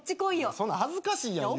そんなん恥ずかしいやん言うの。